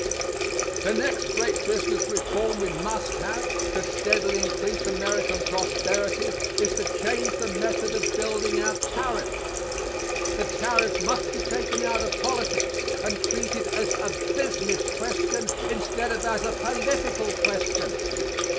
'" The next great business reform we must have to steadily increase American prosperity is to change the method of building our tariffs. The tariff must be taken out of politics and treated as a business question instead of as a political question.